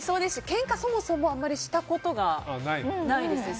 けんか、そもそもあまりしたことがないですね。